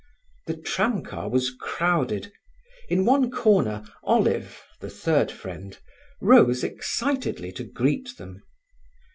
The tramcar was crowded. In one corner Olive, the third friend, rose excitedly to greet them.